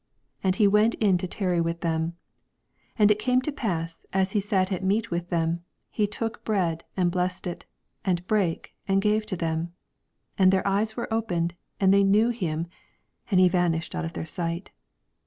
And he went in to tarry with them. 30 And it came to pass, as he sat at meat with them, he took bread, and blessed it, and brake, and gave to them. 81 And their eyes were opened, and they knew him ; and he vanished out of tneir sight.